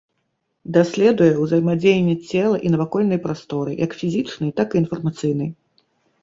Даследуе ўзаемадзеянне цела і навакольнай прасторы, як фізічнай, так і інфармацыйнай.